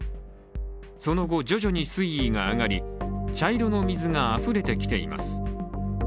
その後、徐々に水位が上がり茶色の水があふれてきています。